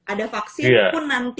ada vaksin pun nanti